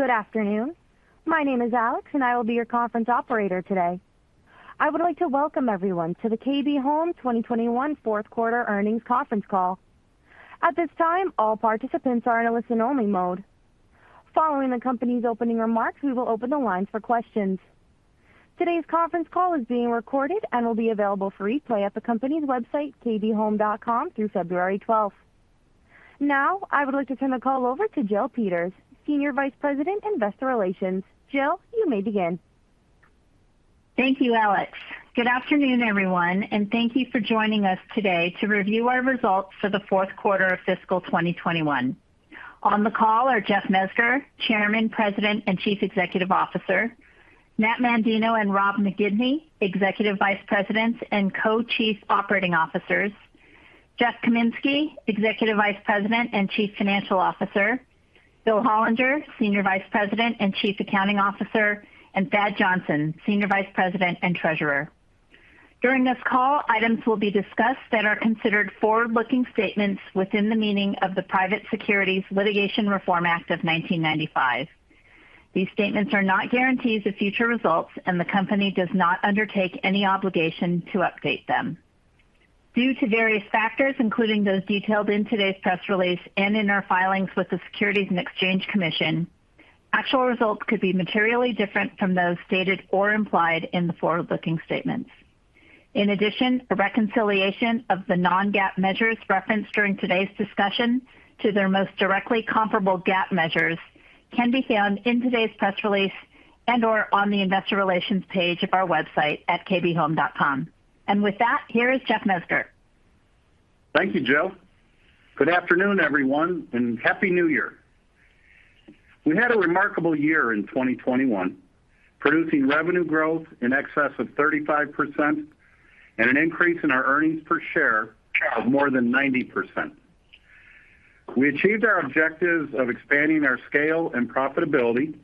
Good afternoon. My name is Alex, and I will be your conference operator today. I would like to welcome everyone to the KB Home 2021 Q4 Earnings Conference Call. At this time, all participants are in a listen-only mode. Following the company's opening remarks, we will open the lines for questions. Today's conference call is being recorded and will be available for replay at the company's website, kbhome.com, through February 12. Now, I would like to turn the call over to Jill Peters, Senior Vice President, Investor Relations. Jill, you may begin. Thank you, Alex. Good afternoon, everyone, and thank you for joining us today to review our results for the Q4 of FY2021. On the call are Jeff Mezger, Chairman, President, and Chief Executive Officer, Matt Mandina and Rob McGibney, Executive Vice Presidents and Co-Chief Operating Officers, Jeff Kaminski, Executive Vice President and Chief Financial Officer, Bill Hollinger, Senior Vice President and Chief Accounting Officer, and Thad Johnson, Senior Vice President and Treasurer. During this call, items will be discussed that are considered forward-looking statements within the meaning of the Private Securities Litigation Reform Act of 1995. These statements are not guarantees of future results, and the company does not undertake any obligation to update them. Due to various factors, including those detailed in today's press release and in our filings with the Securities and Exchange Commission, actual results could be materially different from those stated or implied in the forward-looking statements. In addition, a reconciliation of the non-GAAP measures referenced during today's discussion to their most directly comparable GAAP measures can be found in today's press release and/or on the investor relations page of our website at kbhome.com. With that, here is Jeff Mezger. Thank you, Jill. Good afternoon, everyone, and Happy New Year. We had a remarkable year in 2021, producing revenue growth in excess of 35% and an increase in our earnings per share of more than 90%. We achieved our objectives of expanding our scale and profitability,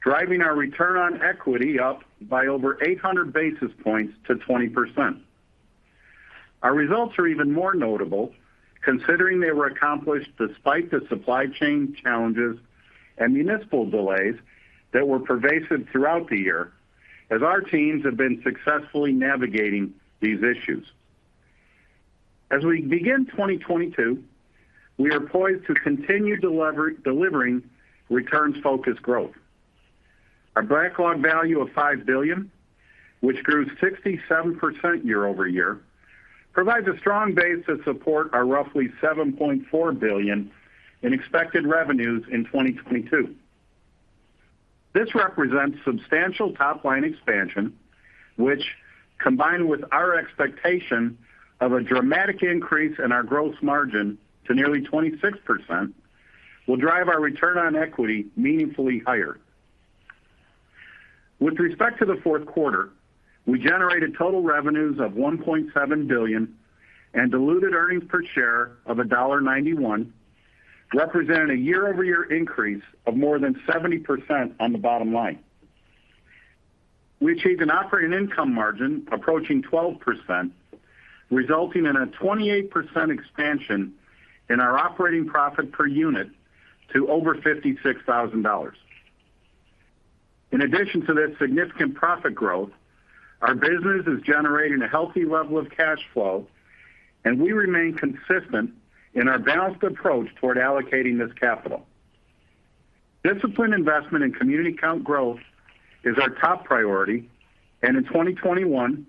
driving our return on equity up by over 800 basis points to 20%. Our results are even more notable considering they were accomplished despite the supply chain challenges and municipal delays that were pervasive throughout the year as our teams have been successfully navigating these issues. As we begin 2022, we are poised to continue delivery, delivering returns-focused growth. Our backlog value of $5 billion, which grew 67% year-over-year, provides a strong base to support our roughly $7.4 billion in expected revenues in 2022. This represents substantial top-line expansion, which, combined with our expectation of a dramatic increase in our gross margin to nearly 26%, will drive our return on equity meaningfully higher. With respect to the Q4, we generated total revenues of $1.7 billion and diluted earnings per share of $1.91, representing a year-over-year increase of more than 70% on the bottom line. We achieved an operating income margin approaching 12%, resulting in a 28% expansion in our operating profit per unit to over $56,000. In addition to this significant profit growth, our business is generating a healthy level of cash flow, and we remain consistent in our balanced approach toward allocating this capital. Disciplined investment in community count growth is our top priority, and in 2021,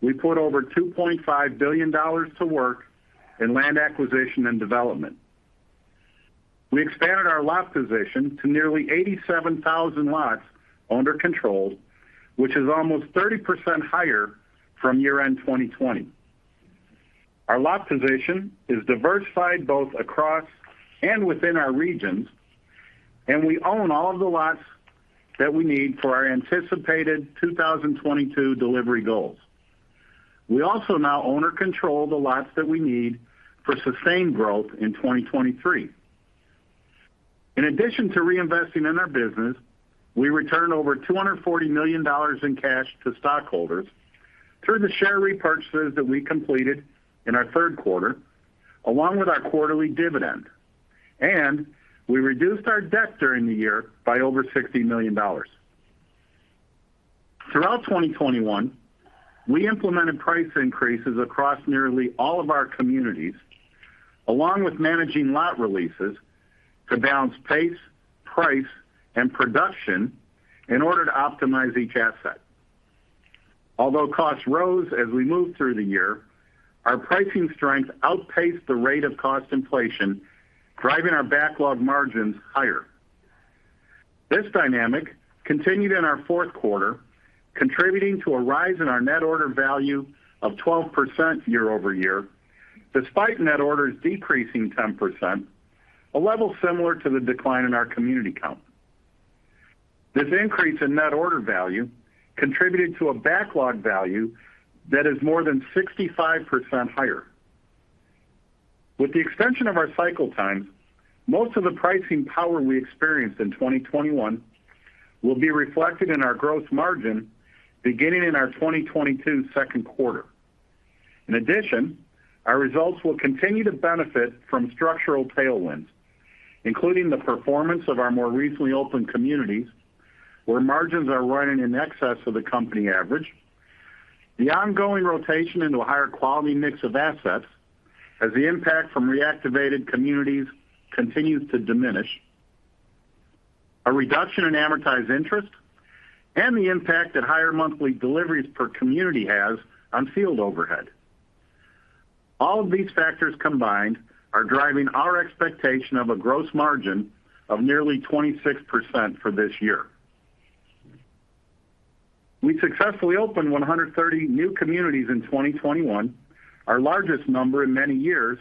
we put over $2.5 billion to work in land acquisition and development. We expanded our lot position to nearly 87,000 lots under control, which is almost 30% higher from year-end 2020. Our lot position is diversified both across and within our regions, and we own all of the lots that we need for our anticipated 2022 delivery goals. We also now own or control the lots that we need for sustained growth in 2023. In addition to reinvesting in our business, we returned over $240 million in cash to stockholders through the share repurchases that we completed in our Q3, along with our quarterly dividend, and we reduced our debt during the year by over $60 million. Throughout 2021, we implemented price increases across nearly all of our communities, along with managing lot releases to balance pace, price, and production in order to optimize each asset. Although costs rose as we moved through the year, our pricing strength outpaced the rate of cost inflation, driving our backlog margins higher. This dynamic continued in our fourth quarter, contributing to a rise in our net order value of 12% year-over-year, despite net orders decreasing 10%, a level similar to the decline in our community count. This increase in net order value contributed to a backlog value that is more than 65% higher. With the extension of our cycle times, most of the pricing power we experienced in 2021 will be reflected in our gross margin beginning in our 2022 second quarter. In addition, our results will continue to benefit from structural tailwinds, including the performance of our more recently opened communities, where margins are running in excess of the company average, the ongoing rotation into a higher quality mix of assets as the impact from reactivated communities continues to diminish, a reduction in amortized interest, and the impact that higher monthly deliveries per community has on field overhead. All of these factors combined are driving our expectation of a gross margin of nearly 26% for this year. We successfully opened 130 new communities in 2021, our largest number in many years,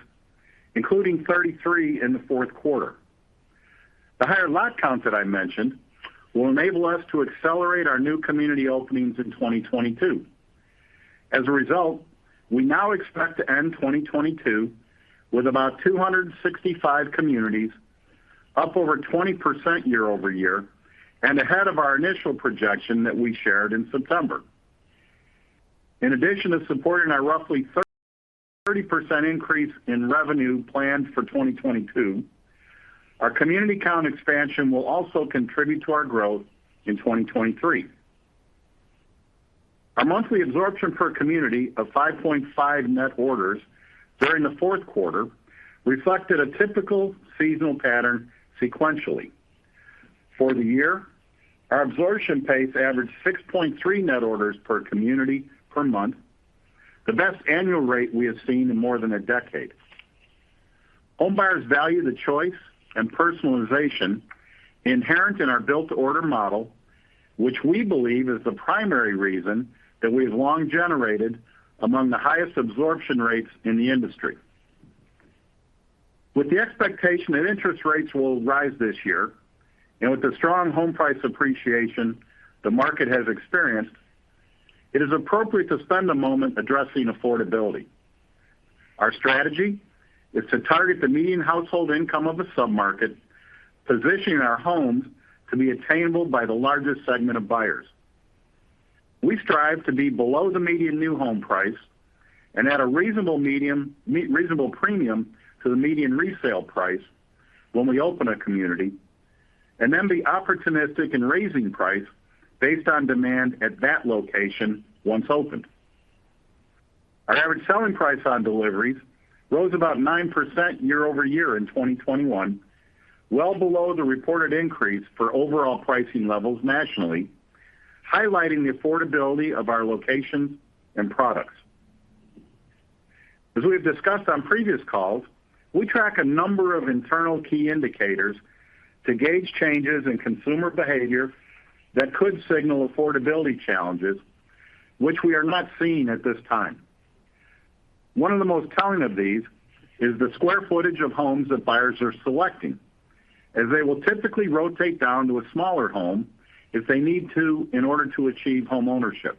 including 33 in the Q4. The higher lot counts that I mentioned will enable us to accelerate our new community openings in 2022. As a result, we now expect to end 2022 with about 265 communities, up over 20% year-over-year, and ahead of our initial projection that we shared in September. In addition to supporting our roughly 30% increase in revenue planned for 2022, our community count expansion will also contribute to our growth in 2023. Our monthly absorption per community of 5.5 net orders during the Q4 reflected a typical seasonal pattern sequentially. For the year, our absorption pace averaged 6.3 net orders per community per month, the best annual rate we have seen in more than a decade. Home buyers value the choice and personalization inherent in our build-to-order model, which we believe is the primary reason that we've long generated among the highest absorption rates in the industry. With the expectation that interest rates will rise this year, and with the strong home price appreciation the market has experienced, it is appropriate to spend a moment addressing affordability. Our strategy is to target the median household income of a sub-market, positioning our homes to be attainable by the largest segment of buyers. We strive to be below the median new home price and at a reasonable premium to the median resale price when we open a community, and then be opportunistic in raising price based on demand at that location once opened. Our average selling price on deliveries rose about 9% year-over-year in 2021, well below the reported increase for overall pricing levels nationally, highlighting the affordability of our locations and products. We have discussed on previous calls, we track a number of internal key indicators to gauge changes in consumer behavior that could signal affordability challenges, which we are not seeing at this time. One of the most telling of these is the square footage of homes that buyers are selecting, as they will typically rotate down to a smaller home if they need to in order to achieve homeownership.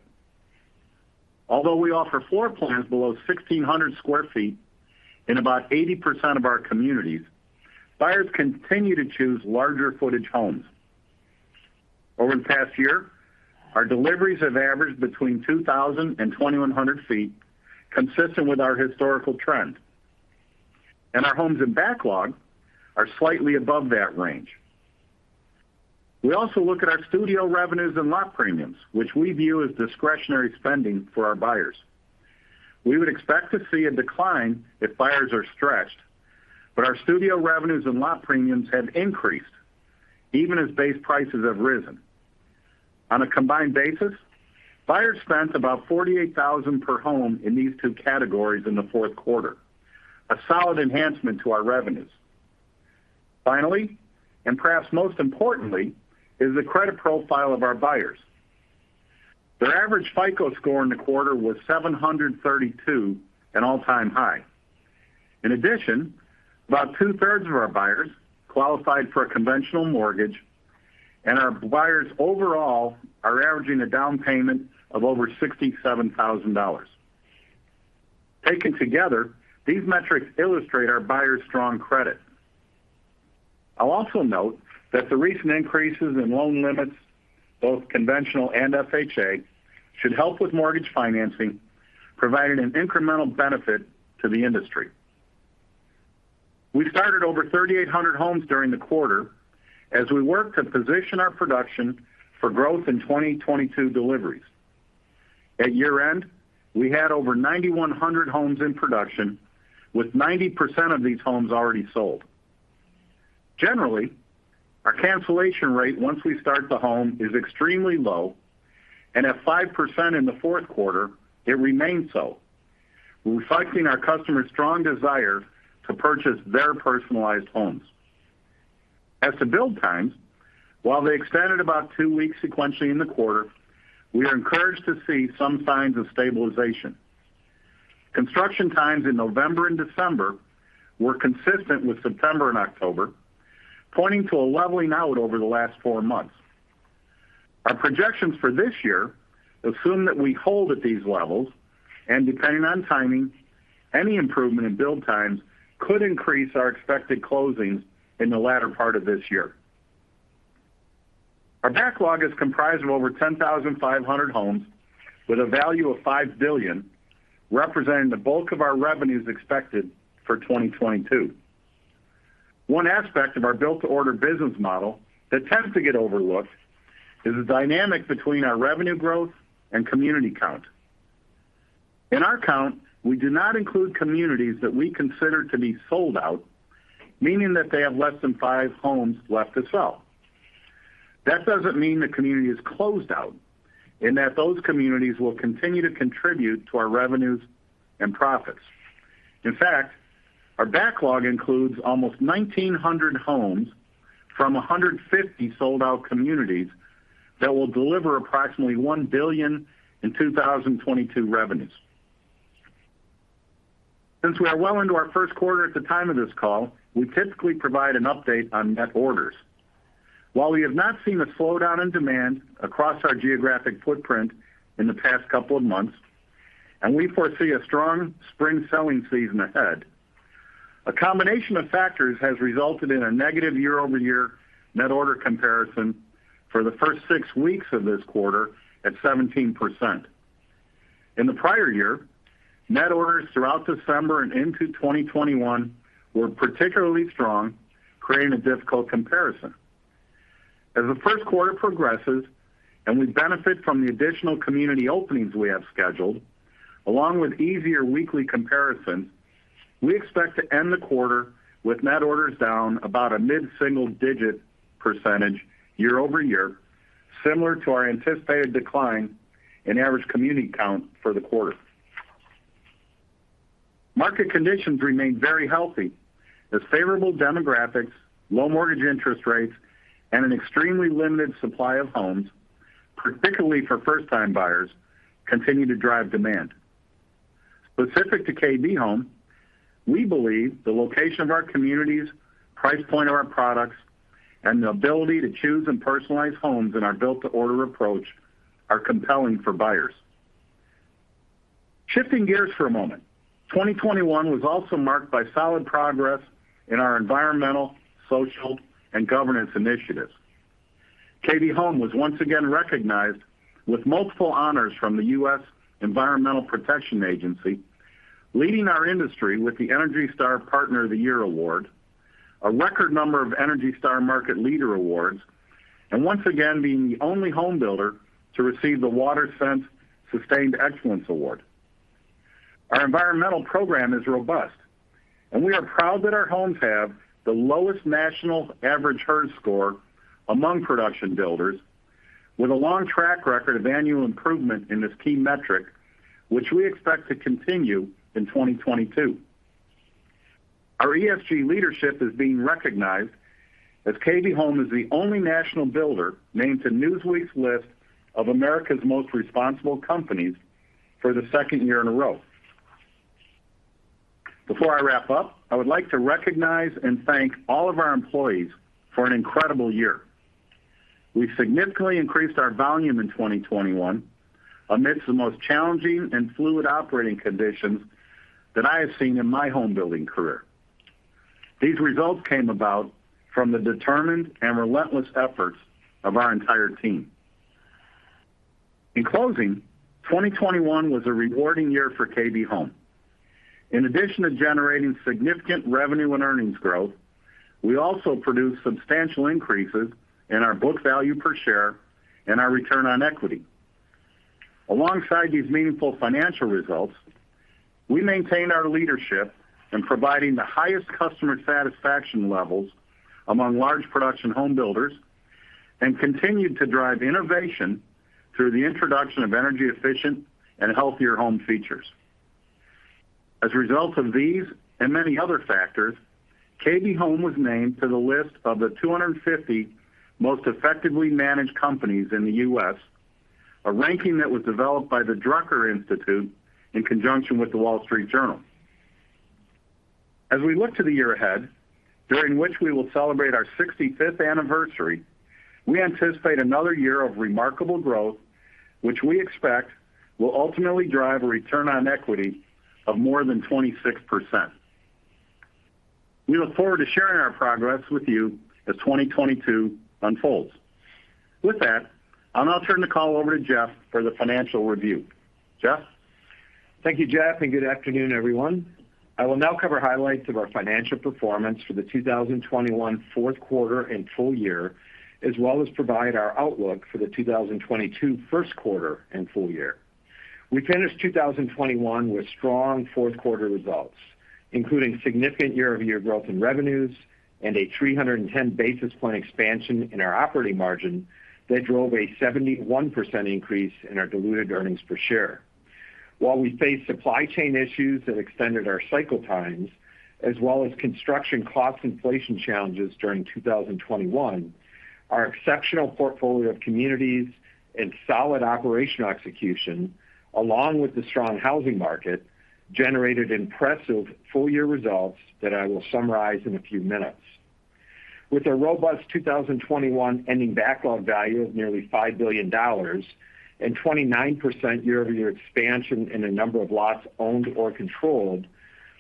We offer floor plans below 1,600 square feet in about 80% of our communities, buyers continue to choose larger footage homes. Over the past year, our deliveries have averaged between 2,000 and 2,100 square feet, consistent with our historical trend. Our homes in backlog are slightly above that range. We also look at our studio revenues and lot premiums, which we view as discretionary spending for our buyers. We would expect to see a decline if buyers are stretched, but our studio revenues and lot premiums have increased even as base prices have risen. On a combined basis, buyers spent about $48,000 per home in these two categories in the ,Q4 a solid enhancement to our revenues. Finally, and perhaps most importantly, is the credit profile of our buyers. Their average FICO score in the quarter was 732, an all-time high. In addition, about two-thirds of our buyers qualified for a conventional mortgage, and our buyers overall are averaging a down payment of over $67,000. Taken together, these metrics illustrate our buyers' strong credit. I'll also note that the recent increases in loan limits, both conventional and FHA, should help with mortgage financing, providing an incremental benefit to the industry. We started over 3,800 homes during the quarter as we work to position our production for growth in 2022 deliveries. At year-end, we had over 9,100 homes in production, with 90% of these homes already sold. Generally, our cancellation rate once we start the home is extremely low, and at 5% in the fourth quarter, it remains so. We're reflecting our customers' strong desire to purchase their personalized homes. As to build times, while they extended about two weeks sequentially in the quarter, we are encouraged to see some signs of stabilization. Construction times in November and December were consistent with September and October, pointing to a leveling out over the last four months. Our projections for this year assume that we hold at these levels, and depending on timing, any improvement in build times could increase our expected closings in the latter part of this year. Our backlog is comprised of over 10,500 homes with a value of $5 billion, representing the bulk of our revenues expected for 2022. One aspect of our build-to-order business model that tends to get overlooked is the dynamic between our revenue growth and community count. In our count, we do not include communities that we consider to be sold out, meaning that they have less than five homes left to sell. That doesn't mean the community is closed out, and that those communities will continue to contribute to our revenues and profits. In fact, our backlog includes almost 1,900 homes from 150 sold-out communities that will deliver approximately $1 billion in 2022 revenues. Since we are well into our first quarter at the time of this call, we typically provide an update on net orders. While we have not seen a slowdown in demand across our geographic footprint in the past couple of months, and we foresee a strong spring selling season ahead, a combination of factors has resulted in a negative year-over-year net order comparison for the first 6 weeks of this quarter at 17%. In the prior year, net orders throughout December and into 2021 were particularly strong, creating a difficult comparison. As the Q1 progresses and we benefit from the additional community openings we have scheduled, along with easier weekly comparisons, we expect to end the quarter with net orders down about a mid-single-digit percentage year-over-year, similar to our anticipated decline in average community count for the quarter. Market conditions remain very healthy as favorable demographics, low mortgage interest rates, and an extremely limited supply of homes, particularly for first-time buyers, continue to drive demand. Specific to KB Home, we believe the location of our communities, price point of our products, and the ability to choose and personalize homes in our build-to-order approach are compelling for buyers. Shifting gears for a moment, 2021 was also marked by solid progress in our environmental, social, and governance initiatives. KB Home was once again recognized with multiple honors from the U.S. Environmental Protection Agency, leading our industry with the ENERGY STAR Partner of the Year Award, a record number of ENERGY STAR Market Leader Awards, and once again, being the only home builder to receive the WaterSense Sustained Excellence Award. Our environmental program is robust, and we are proud that our homes have the lowest national average HERS score among production builders with a long track record of annual improvement in this key metric, which we expect to continue in 2022. Our ESG leadership is being recognized as KB Home is the only national builder named to Newsweek's list of America's Most Responsible Companies for the second year in a row. Before I wrap up, I would like to recognize and thank all of our employees for an incredible year. We significantly increased our volume in 2021 amidst the most challenging and fluid operating conditions that I have seen in my home building career. These results came about from the determined and relentless efforts of our entire team. In closing, 2021 was a rewarding year for KB Home. In addition to generating significant revenue and earnings growth, we also produced substantial increases in our book value per share and our return on equity. Alongside these meaningful financial results, we maintained our leadership in providing the highest customer satisfaction levels among large production home builders and continued to drive innovation through the introduction of energy efficient and healthier home features. As a result of these and many other factors, KB Home was named to the list of the 250 most effectively managed companies in the U.S., a ranking that was developed by the Drucker Institute in conjunction with The Wall Street Journal. As we look to the year ahead, during which we will celebrate our 65th anniversary, we anticipate another year of remarkable growth, which we expect will ultimately drive a return on equity of more than 26%. We look forward to sharing our progress with you as 2022 unfolds. With that, I'll now turn the call over to Jeff for the financial review. Jeff? Thank you, Jeff, and good afternoon, everyone. I will now cover highlights of our financial performance for the 2021 fourth quarter and full year, as well as provide our outlook for the 2022 Q1 and full-year. We finished 2021 with strong Q4 results, including significant year-over-year growth in revenues and a 310 basis point expansion in our operating margin that drove a 71% increase in our diluted earnings per share. While we face supply chain issues that extended our cycle times as well as construction cost inflation challenges during 2021, our exceptional portfolio of communities and solid operational execution, along with the strong housing market, generated impressive full-year results that I will summarize in a few minutes. With a robust 2021 ending backlog value of nearly $5 billion and 29% year-over-year expansion in the number of lots owned or controlled,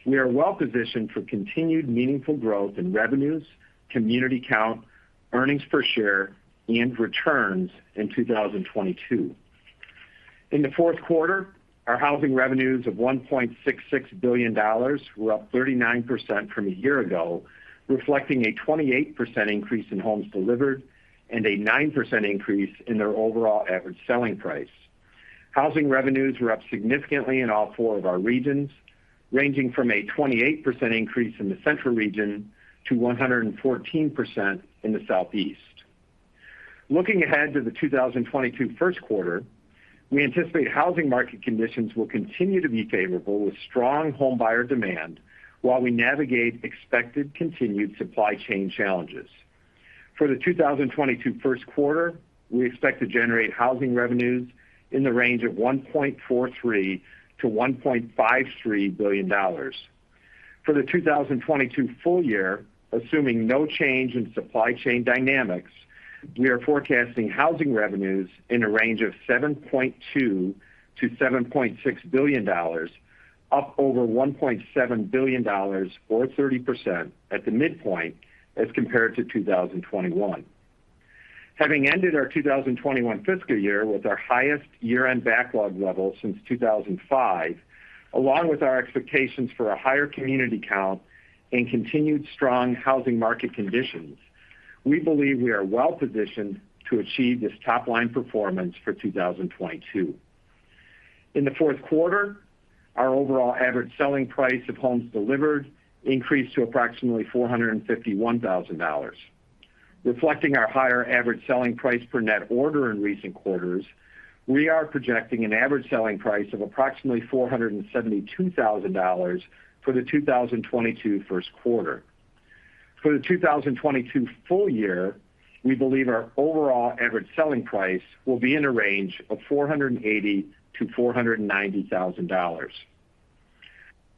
we are well-positioned for continued meaningful growth in revenues, community count, earnings per share, and returns in 2022. In the Q4, our housing revenues of $1.66 billion were up 39% from a year ago, reflecting a 28% increase in homes delivered and a 9% increase in their overall average selling price. Housing revenues were up significantly in all four of our regions, ranging from a 28% increase in the Central region to 114% in the Southeast. Looking ahead to the 2022 Q1, we anticipate housing market conditions will continue to be favorable with strong home buyer demand while we navigate expected continued supply chain challenges. For the 2022 Q1, we expect to generate housing revenues in the range of $1.43-$1.53 billion. For the 2022 full-year, assuming no change in supply chain dynamics, we are forecasting housing revenues in a range of $7.2 billion-$7.6 billion, up over $1.7 billion or 30% at the midpoint as compared to 2021. Having ended our FY2021 with our highest year-end backlog level since 2005, along with our expectations for a higher community count and continued strong housing market conditions, we believe we are well positioned to achieve this top-line performance for 2022. In the fourth quarter, our overall average selling price of homes delivered increased to approximately $451,000. Reflecting our higher average selling price per net order in recent quarters, we are projecting an average selling price of approximately $472,000 for the 2022 first quarter. For the 2022 full-year, we believe our overall average selling price will be in a range of $480,000-$490,000.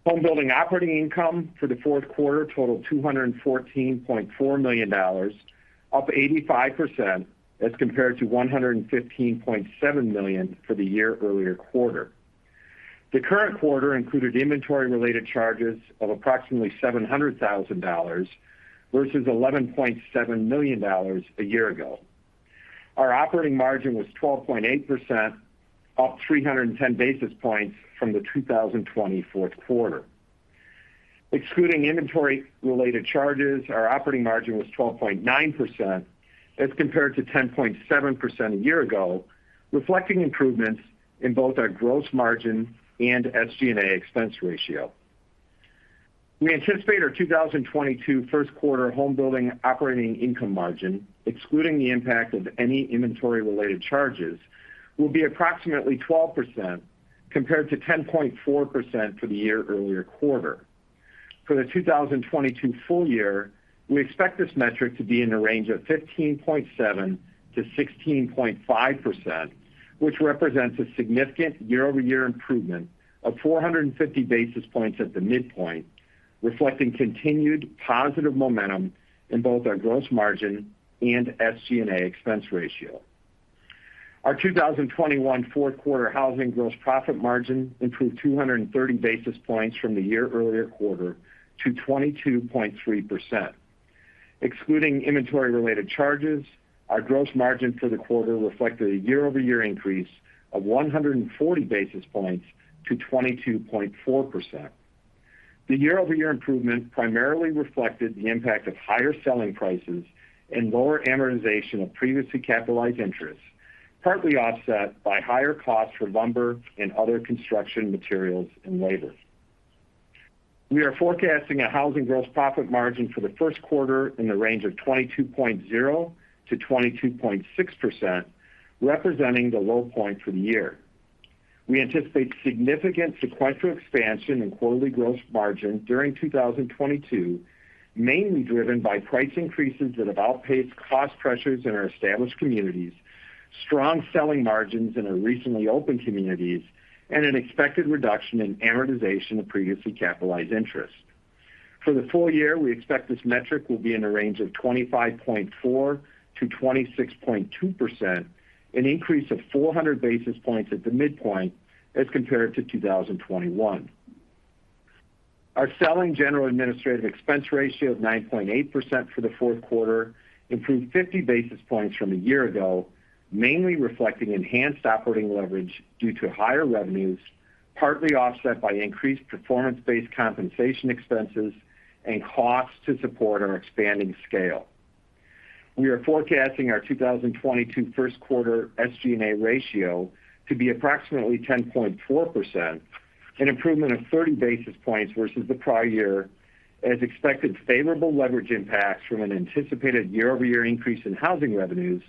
Homebuilding operating income for the Q4 totaled $214.4 million, up 85% as compared to $115.7 million for the year-earlier quarter. The current quarter included inventory-related charges of approximately $700,000 versus $11.7 million a year ago. Our operating margin was 12.8%, up 310 basis points from the 2020 Q4. Excluding inventory-related charges, our operating margin was 12.9% as compared to 10.7% a year ago, reflecting improvements in both our gross margin and SG&A expense ratio. We anticipate our Q1 2022 home building operating income margin, excluding the impact of any inventory-related charges, will be approximately 12% compared to 10.4% for the year earlier quarter. For the 2022 full-year, we expect this metric to be in the range of 15.7%-16.5%, which represents a significant year-over-year improvement of 450 basis points at the midpoint, reflecting continued positive momentum in both our gross margin and SG&A expense ratio. Our 2021 Q4 housing gross profit margin improved 230 basis points from the year-earlier quarter to 22.3%. Excluding inventory-related charges, our gross margin for the quarter reflected a year-over-year increase of 140 basis points to 22.4%. The year-over-year improvement primarily reflected the impact of higher selling prices and lower amortization of previously capitalized interest, partly offset by higher costs for lumber and other construction materials and labor. We are forecasting a housing gross profit margin for the Q1 in the range of 22.0%-22.6%, representing the low point for the year. We anticipate significant sequential expansion in quarterly gross margin during 2022, mainly driven by price increases that have outpaced cost pressures in our established communities, strong selling margins in our recently opened communities, and an expected reduction in amortization of previously capitalized interest. For the full-year, we expect this metric will be in a range of 25.4%-26.2%, an increase of 400 basis points at the midpoint as compared to 2021. Our selling general administrative expense ratio of 9.8% for the Q4 improved 50 basis points from a year ago, mainly reflecting enhanced operating leverage due to higher revenues, partly offset by increased performance-based compensation expenses and costs to support our expanding scale. We are forecasting our Q1 2022 SG&A ratio to be approximately 10.4%, an improvement of 30 basis points versus the prior year as expected favorable leverage impacts from an anticipated year-over-year increase in housing revenues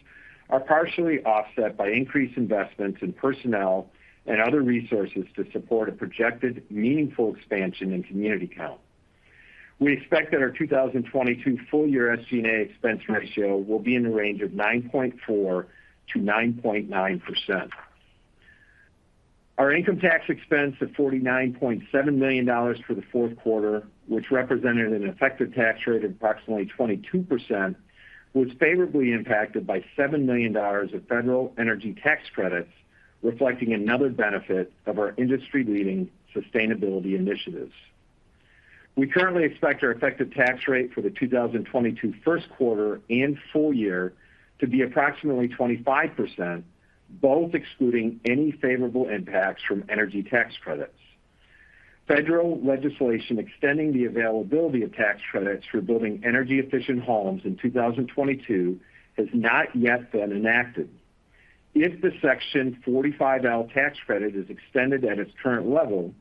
are partially offset by increased investments in personnel and other resources to support a projected meaningful expansion in community count. We expect that our 2022 full-year SG&A expense ratio will be in the range of 9.4%-9.9%. Our income tax expense of $49.7 million for the Q4, which represented an effective tax rate of approximately 22%, was favorably impacted by $7 million of federal energy tax credits, reflecting another benefit of our industry-leading sustainability initiatives. We currently expect our effective tax rate for the Q1 2021 and full-year to be approximately 25%, both excluding any favorable impacts from energy tax credits. Federal legislation extending the availability of tax credits for building energy-efficient homes in 2022 has not yet been enacted. If the Section 45L tax credit is extended at its current level,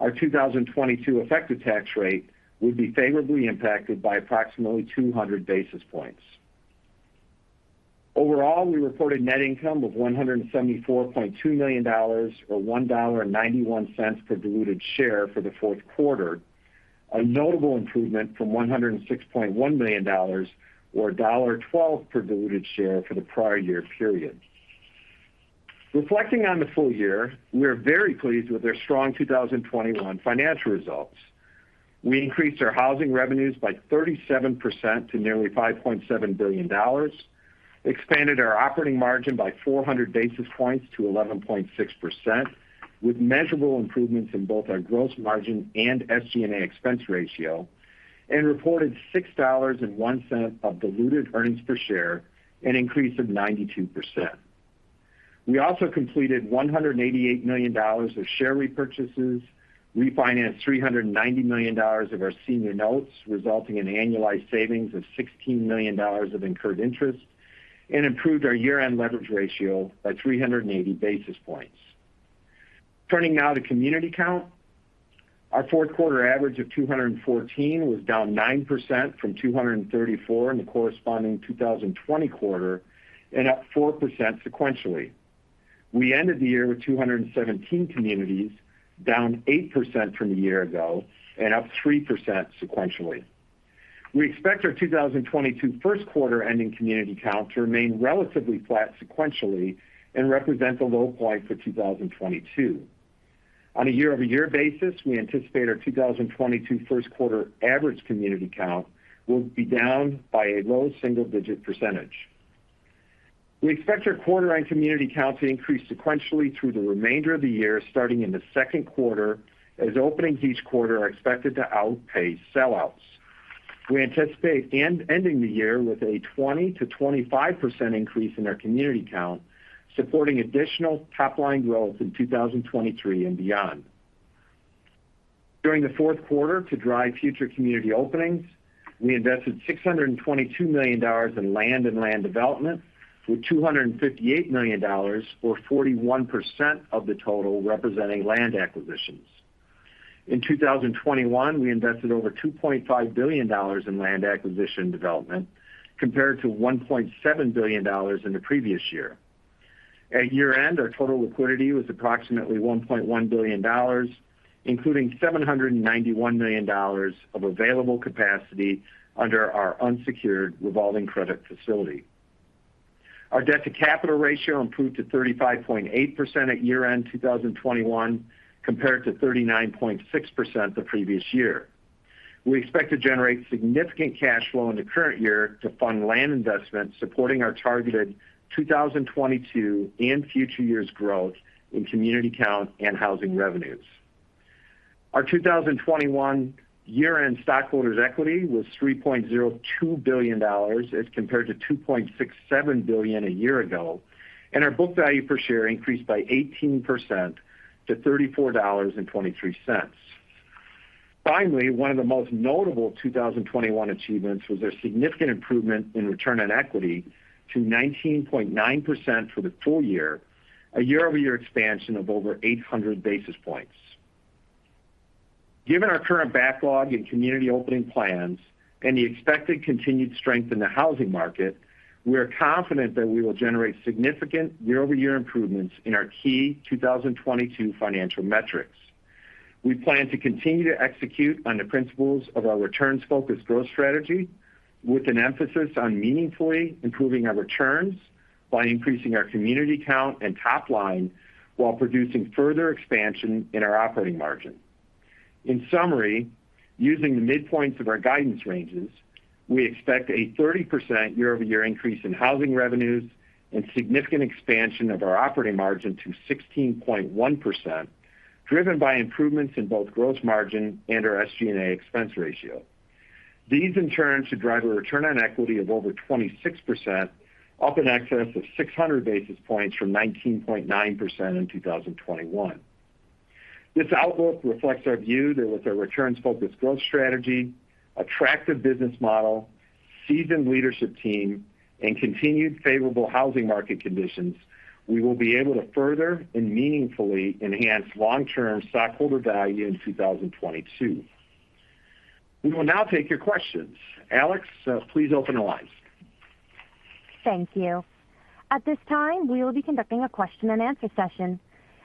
our 2022 effective tax rate would be favorably impacted by approximately 200 basis points. Overall, we reported net income of $174.2 million or $1.91 per diluted share for the Q4, a notable improvement from $106.1 million or $1.12 per diluted share for the prior year period. Reflecting on the full year, we are very pleased with our strong 2021 financial results. We increased our housing revenues by 37% to nearly $5.7 billion, expanded our operating margin by 400 basis points to 11.6% with measurable improvements in both our gross margin and SG&A expense ratio, and reported $6.01 of diluted earnings per share, an increase of 92%. We also completed $188 million of share repurchases, refinanced $390 million of our senior notes, resulting in annualized savings of $16 million of incurred interest, and improved our year-end leverage ratio by 380 basis points. Turning now to community count. Our Q4 average of 214 was down 9% from 234 in the corresponding 2020 quarter and up 4% sequentially. We ended the year with 217 communities, down 8% from a year ago and up 3% sequentially. We expect our Q1 2022 ending community count to remain relatively flat sequentially and represent the low point for 2022. On a year-over-year basis, we anticipate our Q1 2022 average community count will be down by a low single-digit %. We expect our quarter-end community count to increase sequentially through the remainder of the year, starting in the second quarter, as openings each quarter are expected to outpace sell-outs. We anticipate ending the year with a 20%-25% increase in our community count, supporting additional top line growth in 2023 and beyond. During the Q4, to drive future community openings, we invested $622 million in land and land development, with $258 million or 41% of the total representing land acquisitions. In 2021, we invested over $2.5 billion in land acquisition and development compared to $1.7 billion in the previous year. At year-end, our total liquidity was approximately $1.1 billion, including $791 million of available capacity under our unsecured revolving credit facility. Our debt-to-capital ratio improved to 35.8% at year-end 2021 compared to 39.6% the previous year. We expect to generate significant cash flow in the current year to fund land investments supporting our targeted 2022 and future years growth in community count and housing revenues. Our 2021 year-end stockholders' equity was $3.02 billion as compared to $2.67 billion a year ago, and our book value per share increased by 18% to $34.23. Finally, one of the most notable 2021 achievements was a significant improvement in return on equity to 19.9% for the full-year, a year-over-year expansion of over 800 basis points. Given our current backlog and community opening plans and the expected continued strength in the housing market, we are confident that we will generate significant year-over-year improvements in our key 2022 financial metrics. We plan to continue to execute on the principles of our returns focused growth strategy, with an emphasis on meaningfully improving our returns by increasing our community count and top line while producing further expansion in our operating margin. In summary, using the midpoints of our guidance ranges, we expect a 30% year-over-year increase in housing revenues and significant expansion of our operating margin to 16.1%, driven by improvements in both gross margin and our SG&A expense ratio. These in turn should drive a return on equity of over 26%, up in excess of 600 basis points from 19.9% in 2021. This outlook reflects our view that with our returns-focused growth strategy, attractive business model, seasoned leadership team, and continued favorable housing market conditions, we will be able to further and meaningfully enhance long-term stockholder value in 2022. We will now take your questions. Alex, please open the lines. Thank you. At this time, we will be conducting a question and answer session.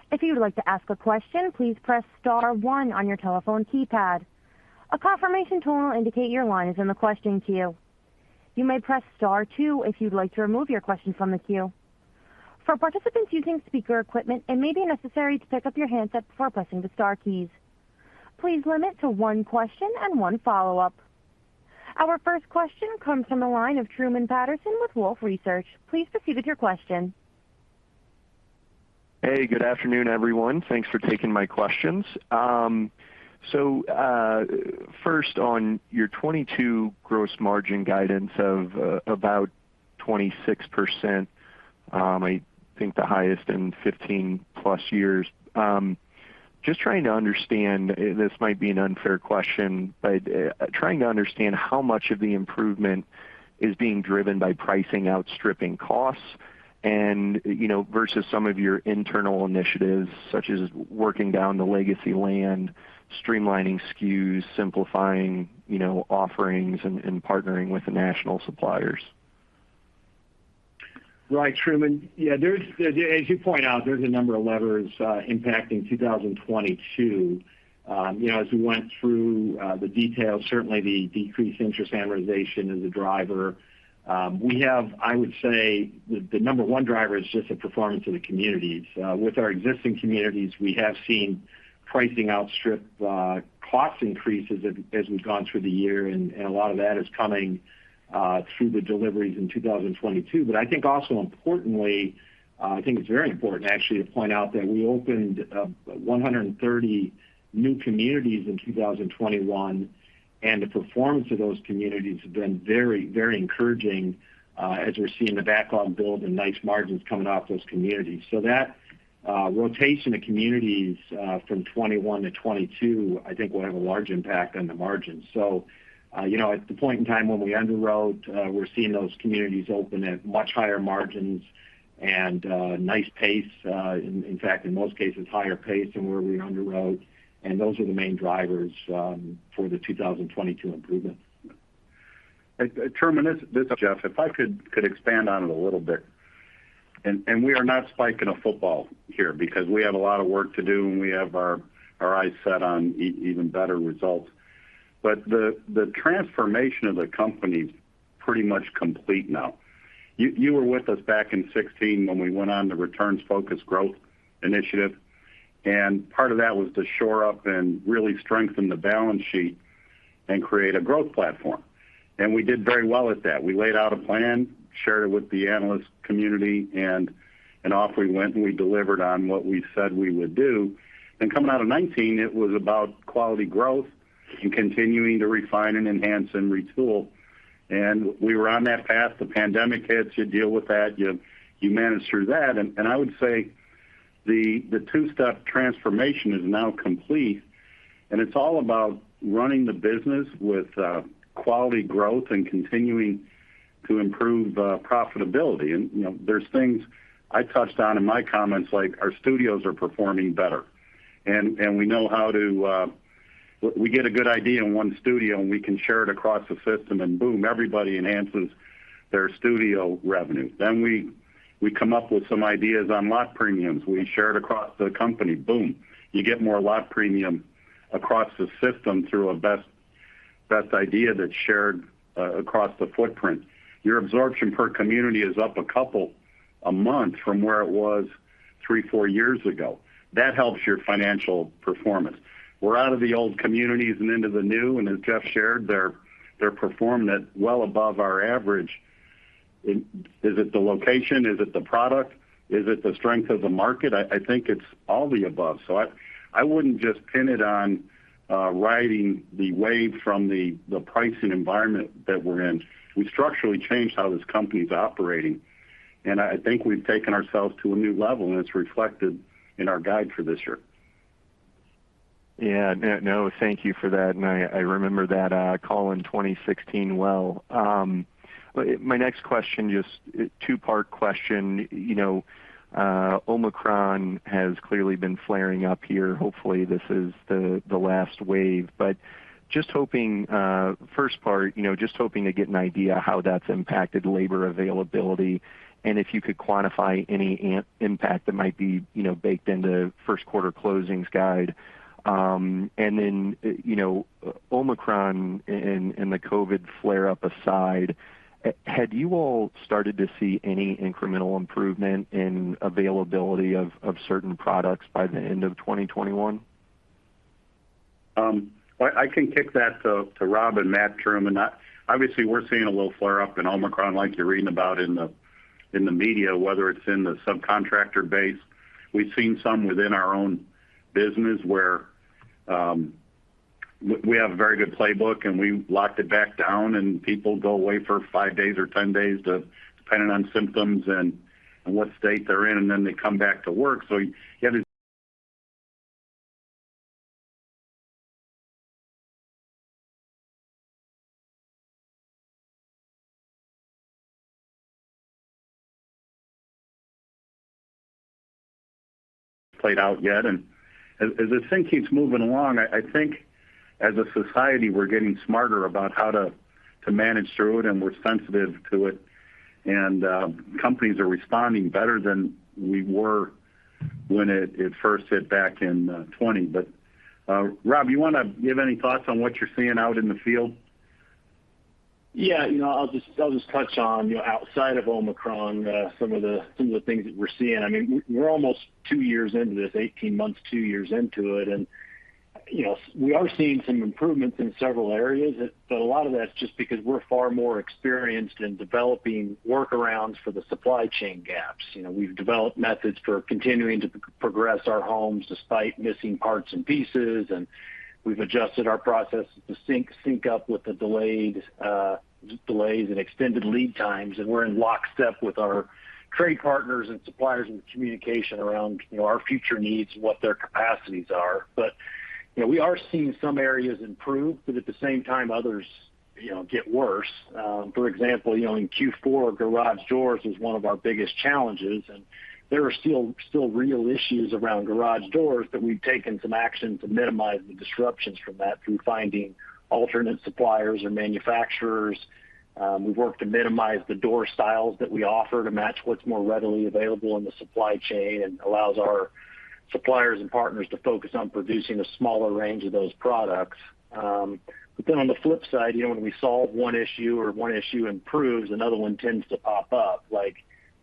If you would like to ask a question, please press star one on your telephone keypad. A confirmation tone will indicate your line is in the question queue. You may press star two if you'd like to remove your question from the queue. For participants using speaker equipment, it may be necessary to pick up your handset before pressing the star keys. Please limit to one question and one follow-up. Our first question comes from the line of Truman Patterson with Wolfe Research. Please proceed with your question. Hey, good afternoon, everyone. Thanks for taking my questions. First on your 2022 gross margin guidance of about 26%, I think the highest in 15+ years. Just trying to understand, this might be an unfair question, but trying to understand how much of the improvement is being driven by pricing outstripping costs and, you know, versus some of your internal initiatives, such as working down the legacy land, streamlining SKUs, simplifying, offerings and partnering with the national suppliers. Right. Truman. Yeah. As you point out, there's a number of levers impacting 2022. As we went through the details, certainly the decreased interest amortization is a driver. We have, I would say the number one driver is just the performance of the communities. With our existing communities, we have seen pricing outstrip cost increases as we've gone through the year, and a lot of that is coming through the deliveries in 2022. But I think also importantly, I think it's very important actually to point out that we opened 130 new communities in 2021, and the performance of those communities have been very, very encouraging as we're seeing the backlog build and nice margins coming off those communities. That rotation of communities from 2021 to 2022, I think will have a large impact on the margins. At the point in time when we underwrote, we're seeing those communities open at much higher margins and nice pace, in fact, in most cases, higher pace than where we underwrote. Those are the main drivers for the 2022 improvements. Truman, this is Jeff. If I could expand on it a little bit. We are not spiking a football here because we have a lot of work to do, and we have our eyes set on even better results. The transformation of the company is pretty much complete now. You were with us back in 2016 when we went on the returns-focused growth initiative, and part of that was to shore up and really strengthen the balance sheet and create a growth platform. We did very well with that. We laid out a plan, shared it with the analyst community, off we went, and we delivered on what we said we would do. Coming out of 2019, it was about quality growth and continuing to refine and enhance and retool. We were on that path. The pandemic hit. You deal with that, you managed through that. I would say the two-step transformation is now complete, and it's all about running the business with quality growth and continuing to improve profitability. You know, there's things I touched on in my comments, like our studios are performing better, and we know how to. We get a good idea in one studio, and we can share it across the system, and boom, everybody enhances their studio revenue. We come up with some ideas on lot premiums. We share it across the company. Boom, you get more lot premium across the system through a best idea that's shared across the footprint. Your absorption per community is up a couple a month from where it was three to four years ago. That helps your financial performance. We're out of the old communities and into the new, and as Jeff shared, they're performing at well above our average. Is it the location? Is it the product? Is it the strength of the market? I think it's all the above. I wouldn't just pin it on riding the wave from the pricing environment that we're in. We structurally changed how this company is operating, and I think we've taken ourselves to a new level, and it's reflected in our guide for this year. Yeah. No, thank you for that. I remember that call in 2016 well. My next question, just a two-part question. Omicron has clearly been flaring up here. Hopefully, this is the last wave, but just hoping, first part, just hoping to get an idea how that's impacted labor availability and if you could quantify any impact that might be, you know, baked into first quarter closings guide. Then, Omicron and the COVID-19 flare up aside, had you all started to see any incremental improvement in availability of certain products by the end of 2021? I can kick that to Rob and Matt, Truman. Obviously, we're seeing a little flare up in Omicron, like you're reading about in the media, whether it's in the subcontractor base. We've seen some within our own business where we have a very good playbook, and we locked it back down, and people go away for five days or 10 days, depending on symptoms and what state they're in, and then they come back to work. So it hasn't played out yet. As this thing keeps moving along, I think as a society, we're getting smarter about how to manage through it, and we're sensitive to it. Companies are responding better than we were when it first hit back in 2020. Rob, you want to give any thoughts on what you're seeing out in the field? Yeah. I'll just touch on, outside of Omicron, some of the things that we're seeing. I mean, we're almost two years into this, 18 months, two years into it, and We are seeing some improvements in several areas, but a lot of that's just because we're far more experienced in developing workarounds for the supply chain gaps. We've developed methods for continuing to progress our homes despite missing parts and pieces, and we've adjusted our process to sync up with the delayed delays and extended lead times. We're in lockstep with our trade partners and suppliers in communication around, our future needs and what their capacities are. We are seeing some areas improve, but at the same time, others, you know, get worse. For example, in Q4, garage doors was one of our biggest challenges, and there are still real issues around garage doors, but we've taken some action to minimize the disruptions from that through finding alternate suppliers or manufacturers. We've worked to minimize the door styles that we offer to match what's more readily available in the supply chain and allows our suppliers and partners to focus on producing a smaller range of those products. On the flip side, when we solve one issue or one issue improves, another one tends to pop up. Like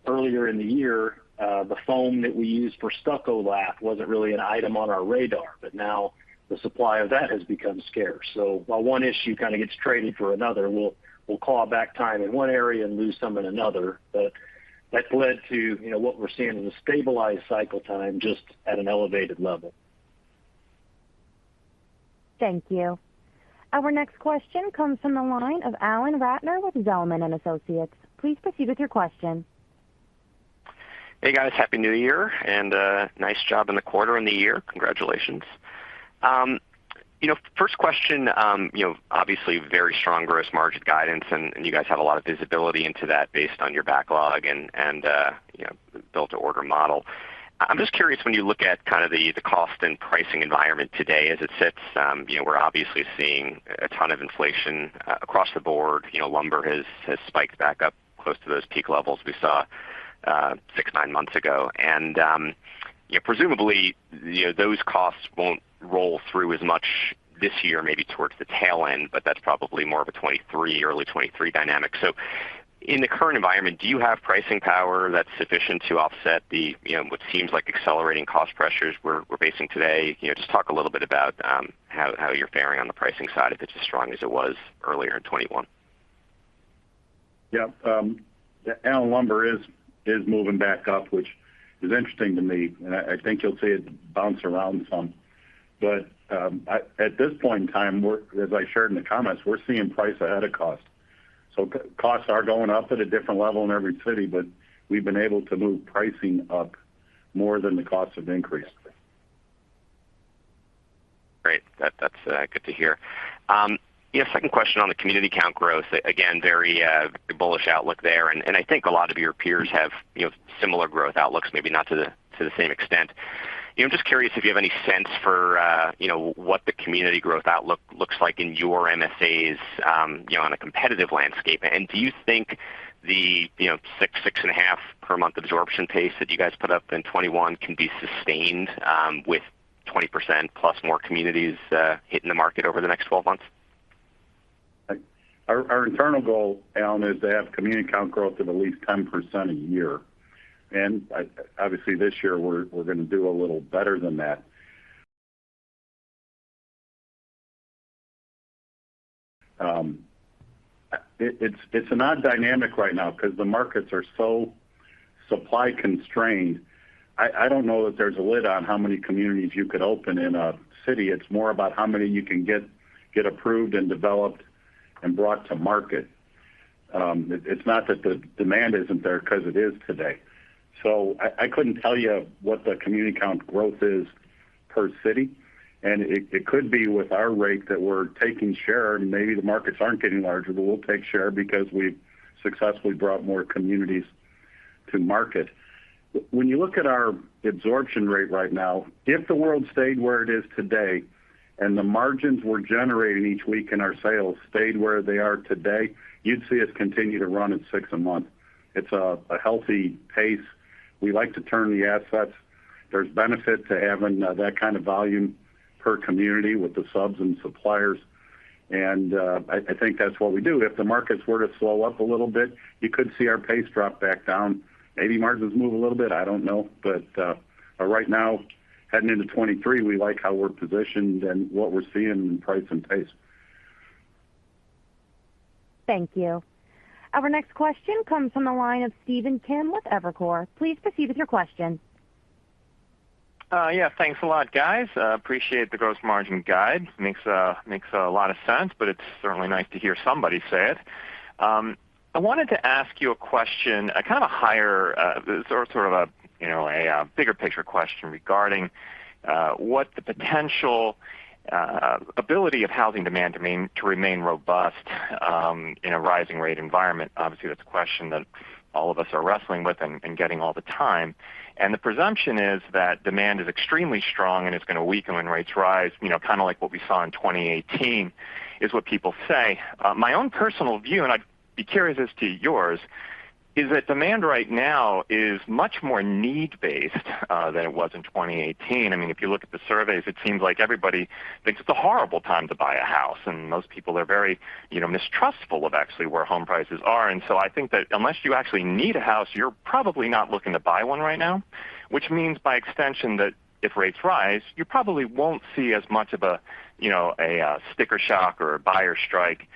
earlier in the year, the foam that we used for stucco wrap wasn't really an item on our radar, but now the supply of that has become scarce. While one issue kind of gets traded for another, we'll claw back time in one area and lose some in another. That's led to, what we're seeing is a stabilized cycle time just at an elevated level. Thank you. Our next question comes from the line of Alan Ratner with Zelman & Associates. Please proceed with your question. Hey, guys. Happy New Year, and, nice job in the quarter and the year. Congratulations. First question, obviously very strong gross margin guidance, and you guys have a lot of visibility into that based on your backlog and you know, build-to-order model. I'm just curious, when you look at kind of the cost and pricing environment today as it sits, we're obviously seeing a ton of inflation across the board. Lumber has spiked back up close to those peak levels we saw, six, nine months ago. Presumably, those costs won't roll through as much this year, maybe towards the tail end, but that's probably more of a 2023, early 2023 dynamic. In the current environment, do you have pricing power that's sufficient to offset the, what seems like accelerating cost pressures we're facing today? Just talk a little bit about, how you're faring on the pricing side, if it's as strong as it was earlier in 2021. Yeah.Alan, lumber is moving back up, which is interesting to me, and I think you'll see it bounce around some. At this point in time, as I shared in the comments, we're seeing price ahead of cost. Costs are going up at a different level in every city, but we've been able to move pricing up more than the cost have increased. Great. That’s good to hear. Yeah, second question on the community count growth. Very bullish outlook there, and I think a lot of your peers have, you know, similar growth outlooks, maybe not to the same extent. You know, I’m just curious if you have any sense for, what the community growth outlook looks like in your MSAs, on a competitive landscape. Do you think you know, 6.5 per month absorption pace that you guys put up in 2021 can be sustained, with 20% plus more communities hitting the market over the next 12 months? Our internal goal, Alan, is to have community count growth of at least 10% a year. Obviously, this year we're gonna do a little better than that. It's an odd dynamic right now because the markets are so supply constrained. I don't know that there's a lid on how many communities you could open in a city. It's more about how many you can get approved and developed and brought to market. It's not that the demand isn't there, because it is today. I couldn't tell you what the community count growth is per city. It could be with our rate that we're taking share, and maybe the markets aren't getting larger, but we'll take share because we've successfully brought more communities to market. When you look at our absorption rate right now, if the world stayed where it is today, and the margins we're generating each week in our sales stayed where they are today, you'd see us continue to run at 6 a month. It's a healthy pace. We like to turn the assets. There's benefit to having that kind of volume per community with the subs and suppliers, and I think that's what we do. If the markets were to slow up a little bit, you could see our pace drop back down. Maybe margins move a little bit, I don't know. Right now, heading into 2023, we like how we're positioned and what we're seeing in price and pace. Thank you. Our next question comes from the line of Stephen Kim with Evercore. Please proceed with your question. Yeah. Thanks a lot, guys. Appreciate the gross margin guide. Makes a lot of sense, but it's certainly nice to hear somebody say it. I wanted to ask you a question, a kind of higher or sort of a bigger picture question regarding what the potential ability of housing demand to remain robust in a rising rate environment. Obviously, that's a question that all of us are wrestling with and getting all the time. The presumption is that demand is extremely strong, and it's gonna weaken when rates rise, kind of like what we saw in 2018, is what people say. My own personal view, and I'd be curious as to yours, is that demand right now is much more need-based than it was in 2018. I mean, if you look at the surveys, it seems like everybody thinks it's a horrible time to buy a house, and most people are very, mistrustful of actually where home prices are. I think that unless you actually need a house, you're probably not looking to buy one right now. Which means by extension that if rates rise, you probably won't see as much of a, you know, a sticker shock or a buyer strike,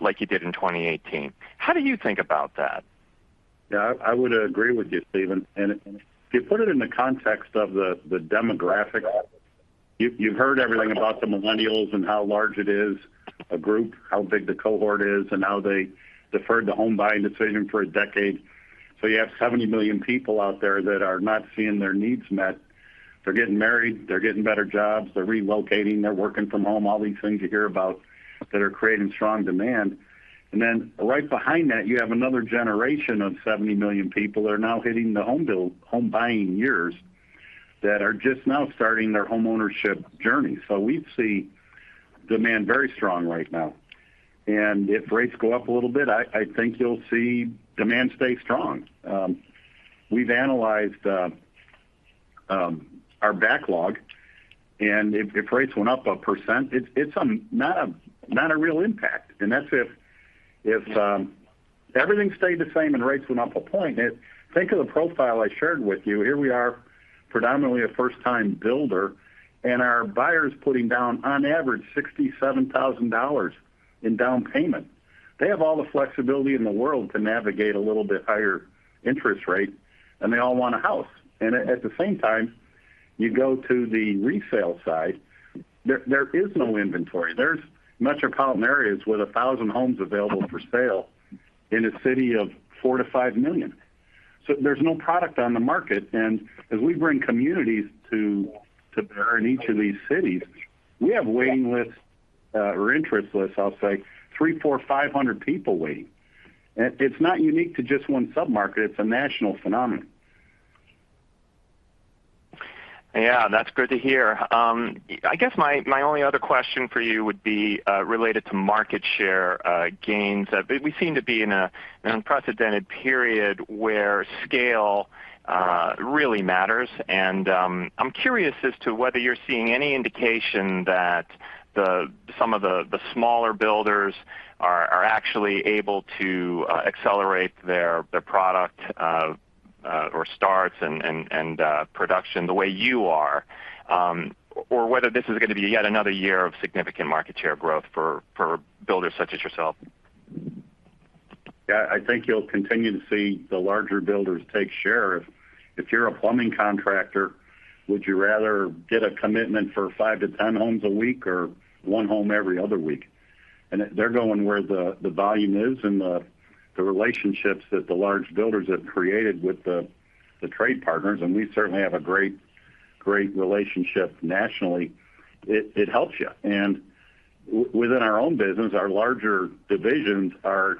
like you did in 2018. How do you think about that? Yeah. I would agree with you, Stephen. If you put it in the context of the demographic, you've heard everything about the millennials and how large it is a group, how big the cohort is, and how they deferred the home buying decision for a decade. You have 70 million people out there that are not seeing their needs met. They're getting married, they're getting better jobs, they're relocating, they're working from home, all these things you hear about that are creating strong demand. Then right behind that, you have another generation of 70 million people that are now hitting the home buying years that are just now starting their homeownership journey. We see demand very strong right now. If rates go up a little bit, I think you'll see demand stay strong. We've analyzed our backlog, and if rates went up 1%, it's not a real impact. That's if everything stayed the same and rates went up one point. Think of the profile I shared with you. Here we are predominantly a first-time homebuilder, and our buyers putting down on average $67,000 in down payment. They have all the flexibility in the world to navigate a little bit higher interest rate, and they all want a house. At the same time, you go to the resale side, there is no inventory. There's metropolitan areas with 1,000 homes available for sale in a city of 4 million to 5 million. There's no product on the market, and as we bring communities to bear in each of these cities, we have waiting lists or interest lists, I'll say, 300-500 people waiting. It's not unique to just one submarket, it's a national phenomenon. Yeah, that's good to hear. I guess my only other question for you would be related to market share gains. We seem to be in an unprecedented period where scale really matters. I'm curious as to whether you're seeing any indication that some of the smaller builders are actually able to accelerate their product or starts and production the way you are, or whether this is going to be yet another year of significant market share growth for builders such as yourself. Yeah, I think you'll continue to see the larger builders take share. If you're a plumbing contractor, would you rather get a commitment for five to 10 homes a week or one home every other week? They're going where the volume is and the relationships that the large builders have created with the trade partners, and we certainly have a great relationship nationally. It helps you. Within our own business, our larger divisions are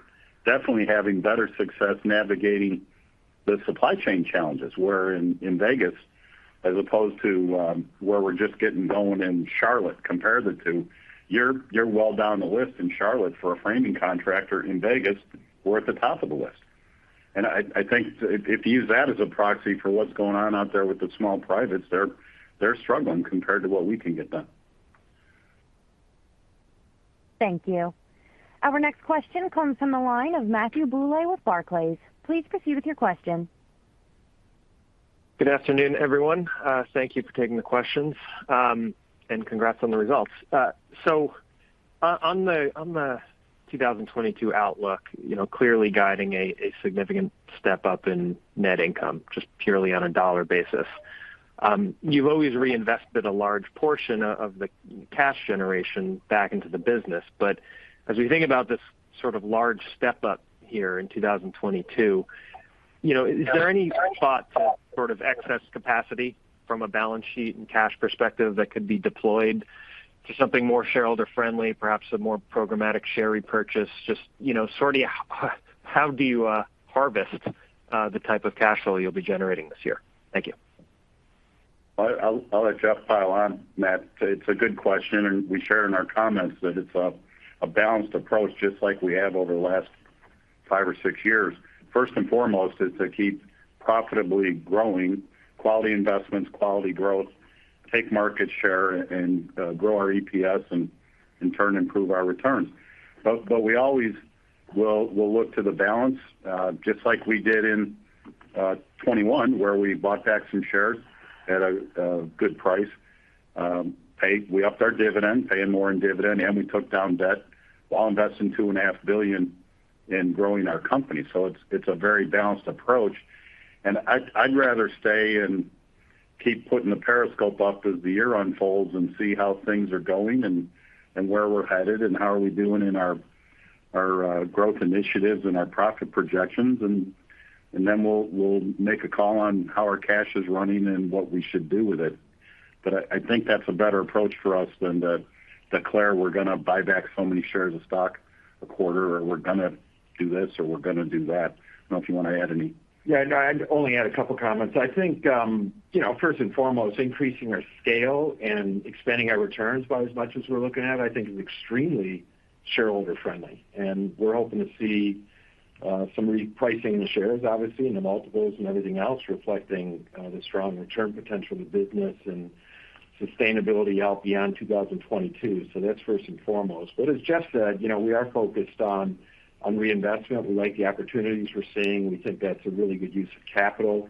definitely having better success navigating the supply chain challenges. Where in Vegas, as opposed to where we're just getting going in Charlotte, compare the two, you're well down the list in Charlotte. For a framing contractor in Vegas, we're at the top of the list. I think if you use that as a proxy for what's going on out there with the small privates, they're struggling compared to what we can get done. Thank you. Our next question comes from the line of Matthew Bouley with Barclays. Please proceed with your question. Good afternoon, everyone. Thank you for taking the questions, and congrats on the results. On the 2022 outlook, clearly guiding a significant step up in net income, just purely on a dollar basis. You've always reinvested a large portion of the cash generation back into the business. As we think about this sort of large step up here in 2022, you know, is there any thought to sort of excess capacity from a balance sheet and cash perspective that could be deployed to something more shareholder-friendly, perhaps a more programmatic share repurchase? Just, you know, sort of how do you harvest the type of cash flow you'll be generating this year? Thank you. I'll let Jeff pile on, Matt. It's a good question, and we share in our comments that it's a balanced approach, just like we have over the last five or six years. First and foremost is to keep profitably growing quality investments, quality growth, take market share, and grow our EPS, and in turn, improve our returns. We always will look to the balance, just like we did in 2021, where we bought back some shares at a good price. We upped our dividend, paying more in dividend, and we took down debt while investing $2.5 billion in growing our company. It's a very balanced approach. I'd rather stay and keep putting the periscope up as the year unfolds and see how things are going and where we're headed and how are we doing in our growth initiatives and our profit projections. We'll make a call on how our cash is running and what we should do with it. I think that's a better approach for us than to declare we're going to buy back so many shares of stock a quarter, or we're going to do this, or we're going to do that. I don't know if you want to add any. Yeah, no, I'd only add a couple of comments. I think, you know, first and foremost, increasing our scale and expanding our returns by as much as we're looking at, I think is extremely shareholder-friendly. We're hoping to see some repricing in the shares, obviously, in the multiples and everything else reflecting the strong return potential of the business and Sustainability outlook beyond 2022. That's first and foremost. As Jeff said, we are focused on reinvestment. We like the opportunities we're seeing. We think that's a really good use of capital.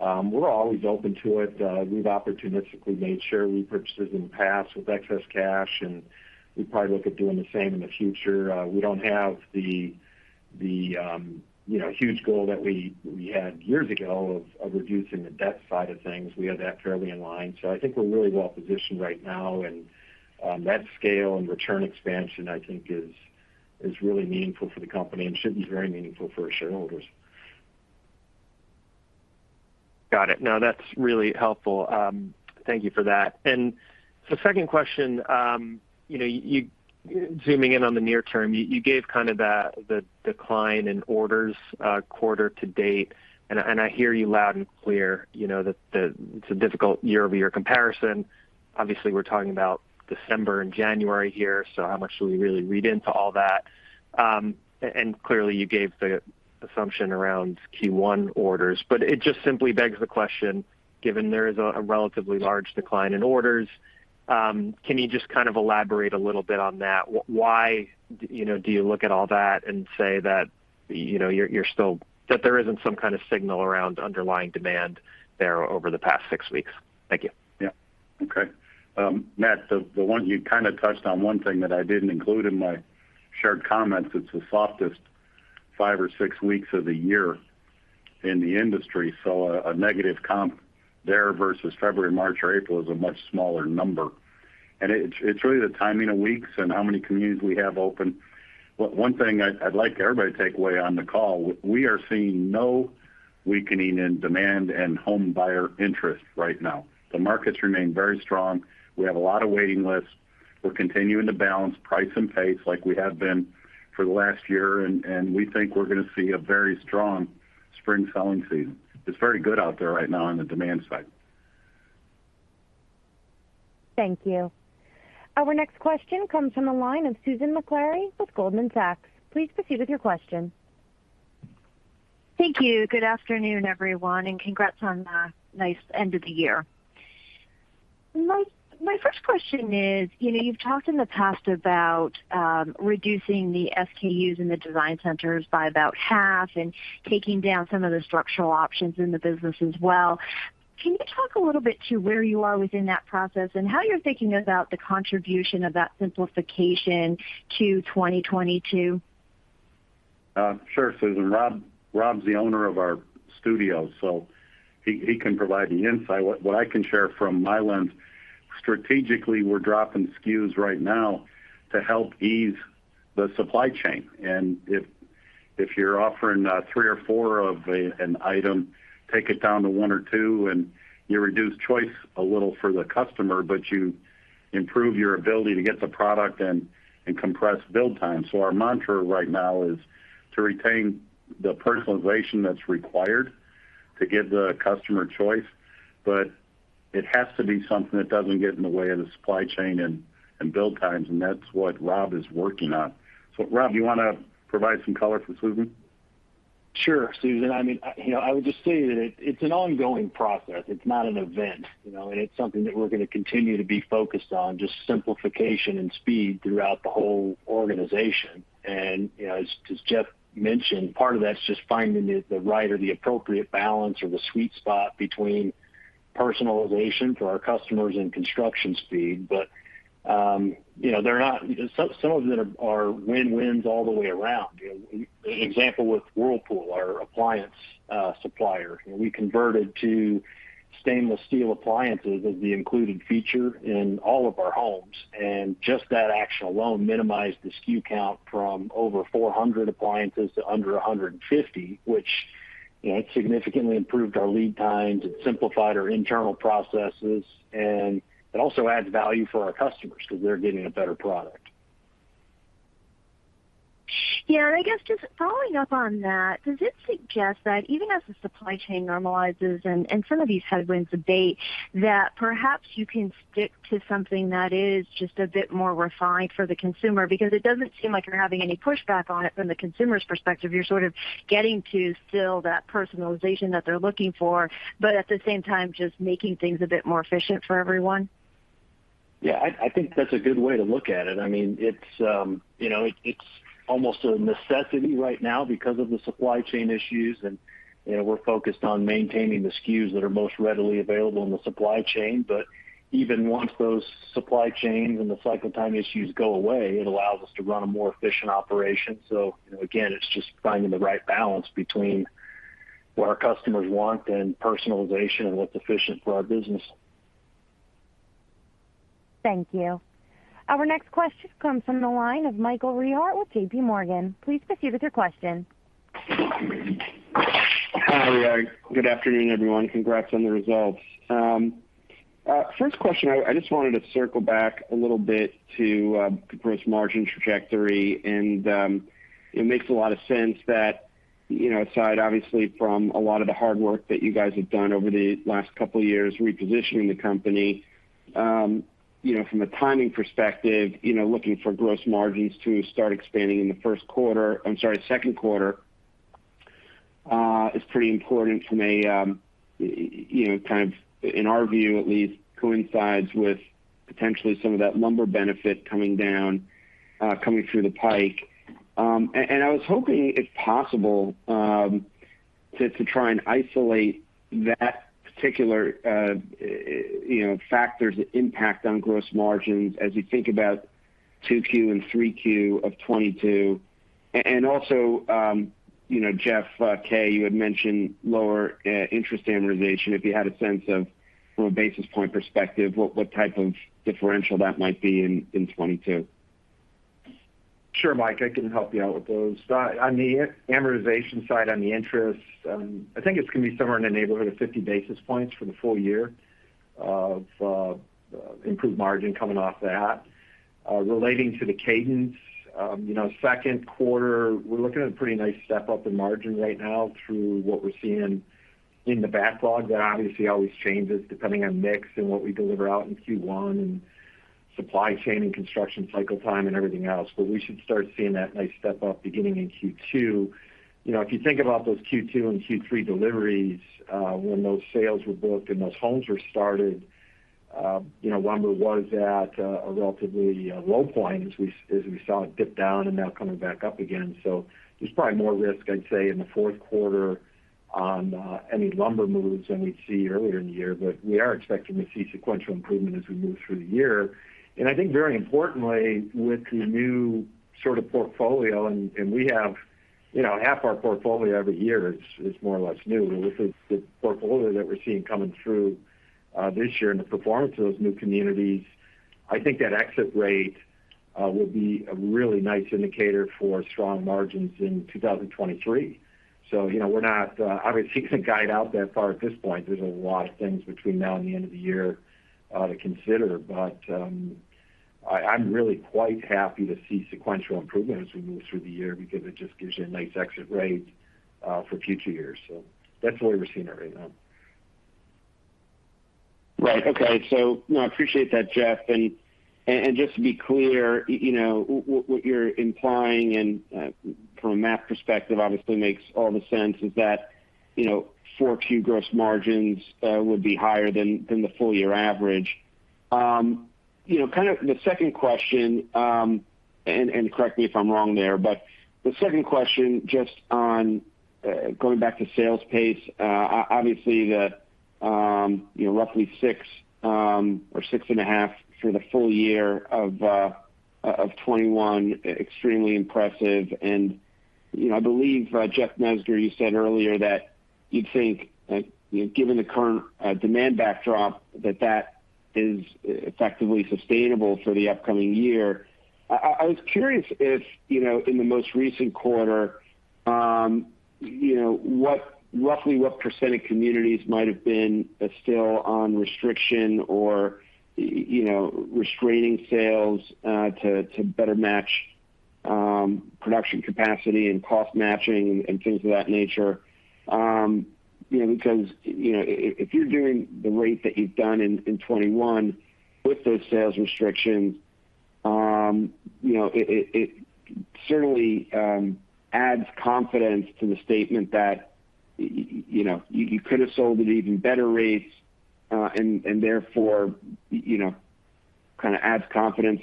We're always open to it. We've opportunistically made share repurchases in the past with excess cash, and we probably look at doing the same in the future. We don't have the you know, huge goal that we had years ago of reducing the debt side of things. We have that fairly in line. I think we're really well positioned right now. On that scale and return expansion, I think is really meaningful for the company and should be very meaningful for our shareholders. Got it. No, that's really helpful. Thank you for that. The second question, you zooming in on the near term, you gave kind of the decline in orders, quarter to date. I hear you loud and clear, you know, that it's a difficult year-over-year comparison. Obviously, we're talking about December and January here, so how much do we really read into all that? Clearly, you gave the assumption around Q1 orders, but it just simply begs the question, given there is a relatively large decline in orders, can you just kind of elaborate a little bit on that? Why, do you look at all that and say that, you know, you're still that there isn't some kind of signal around underlying demand there over the past six weeks? Thank you. Yeah. Okay. Matt, the one you kind of touched on, one thing that I didn't include in my shared comments, it's the softest five or six weeks of the year in the industry. A negative comp there versus February, March or April is a much smaller number. It's really the timing of weeks and how many communities we have open. One thing I'd like everybody to take away on the call, we are seeing no weakening in demand and home buyer interest right now. The markets remain very strong. We have a lot of waiting lists. We're continuing to balance price and pace like we have been for the last year, and we think we're going to see a very strong spring selling season. It's very good out there right now on the demand side. Thank you. Our next question comes from the line of Susan Maklari with Goldman Sachs. Please proceed with your question. Thank you. Good afternoon, everyone, and congrats on a nice end of the year. My first question is, you've talked in the past about reducing the SKUs in the design centers by about half and taking down some of the structural options in the business as well. Can you talk a little bit to where you are within that process and how you're thinking about the contribution of that simplification to 2022? Sure, Susan. Rob's the owner of our studio, so he can provide the insight. What I can share from my lens, strategically, we're dropping SKUs right now to help ease the supply chain. If you're offering three or four of an item, take it down to one or two, and you reduce choice a little for the customer, but you improve your ability to get the product and compress build time. Our mantra right now is to retain the personalization that's required to give the customer choice. It has to be something that doesn't get in the way of the supply chain and build times, and that's what Rob is working on. Rob, you want to provide some color for Susan? Sure, Susan. I mean, I would just say that it's an ongoing process. It's not an event, and it's something that we're going to continue to be focused on, just simplification and speed throughout the whole organization. As Jeff mentioned, part of that's just finding the right or the appropriate balance or the sweet spot between personalization for our customers and construction speed. You know, some of them are win-wins all the way around. You know, for example with Whirlpool, our appliance supplier, we converted to stainless steel appliances as the included feature in all of our homes, and just that action alone minimized the SKU count from over 400 appliances to under 150, which, it significantly improved our lead times, it simplified our internal processes, and it also adds value for our customers because they're getting a better product. Yeah. I guess just following up on that, does it suggest that even as the supply chain normalizes and some of these headwinds abate, that perhaps you can stick to something that is just a bit more refined for the consumer? Because it doesn't seem like you're having any pushback on it from the consumer's perspective. You're sort of getting to still that personalization that they're looking for, but at the same time just making things a bit more efficient for everyone. Yeah, I think that's a good way to look at it. I mean, you know, it's almost a necessity right now because of the supply chain issues. You know, we're focused on maintaining the SKUs that are most readily available in the supply chain. Even once those supply chains and the cycle time issues go away, it allows us to run a more efficient operation. Again, it's just finding the right balance between what our customers want and personalization and what's efficient for our business. Thank you. Our next question comes from the line of Michael Rehaut with JPMorgan. Please proceed with your question. Hi. Good afternoon, everyone. Congrats on the results. First question, I just wanted to circle back a little bit to gross margin trajectory, and it makes a lot of sense that, you know, aside obviously from a lot of the hard work that you guys have done over the last couple of years repositioning the company, from a timing perspective, you know, looking for gross margins to start expanding in the first quarter. I'm sorry, second quarter. It's pretty important from a kind of, in our view, at least coincides with potentially some of that lumber benefit coming down the pike. I was hoping if possible to try and isolate that particular you know factors that impact on gross margins as you think about Q2 and Q3 of 2022. Also, Jeff Kaminski, you had mentioned lower interest amortization, if you had a sense of, from a basis point perspective, what type of differential that might be in 2022. Sure, Mike, I can help you out with those. On the amortization side, on the interest, I think it's gonna be somewhere in the neighborhood of 50 basis points for the full year of improved margin coming off that. Relating to the cadence, you know, second quarter, we're looking at a pretty nice step up in margin right now through what we're seeing in the backlog. That obviously always changes depending on mix and what we deliver out in Q1 and supply chain and construction cycle time and everything else. We should start seeing that nice step up beginning in Q2. You know, if you think about those Q2 and Q3 deliveries, when those sales were booked and those homes were started, you know, lumber was at a relatively low point as we saw it dip down and now coming back up again. There's probably more risk, I'd say, in the fourth quarter on any lumber moves than we'd see earlier in the year. We are expecting to see sequential improvement as we move through the year. I think very importantly, with the new sort of portfolio, and we have, you know, half our portfolio every year is more or less new. With the portfolio that we're seeing coming through this year and the performance of those new communities, I think that exit rate will be a really nice indicator for strong margins in 2023. You know, we're not obviously gonna guide out that far at this point. There's a lot of things between now and the end of the year to consider. I'm really quite happy to see sequential improvement as we move through the year because it just gives you a nice exit rate for future years. That's the way we're seeing it right now. Right. Okay. You know, I appreciate that, Jeff. Just to be clear, you know, what you're implying and, from a math perspective, obviously makes all the sense, is that, you know, Q4 gross margins would be higher than the full year average. You know, kind of the second question, and correct me if I'm wrong there, but the second question just on, going back to sales pace, obviously the, you know, roughly 6 or 6.5 for the full-year of 2021, extremely impressive. You know, I believe, Jeff Mezger, you said earlier that you'd think, you know, given the current, demand backdrop, that is effectively sustainable for the upcoming year. I was curious if, you know, in the most recent quarter, you know, roughly what percent of communities might have been still on restriction or, you know, restraining sales to better match production capacity and cost matching and things of that nature. You know, because, you know, if you're doing the rate that you've done in 2021 with those sales restrictions, it certainly adds confidence to the statement that, you know, you could have sold at even better rates, and therefore, you know, kind of adds confidence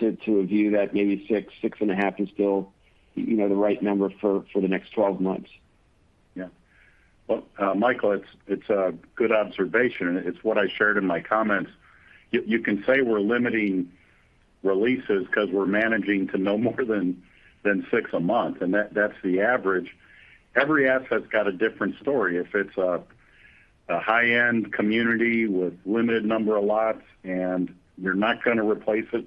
to a view that maybe 6.5 is still, the right number for the next 12 months. Yeah. Well, Michael, it's a good observation. It's what I shared in my comments. You can say we're limiting releases because we're managing to no more than six a month, and that's the average. Every asset's got a different story. If it's a high-end community with limited number of lots and you're not gonna replace it,